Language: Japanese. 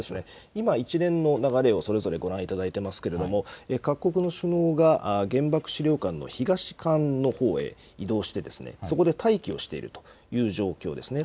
今、一連の流れをそれぞれご覧いただいていますけれども、各国の首脳が原爆資料館の東館のほうへ移動して、そこで待機をしているという状況ですね。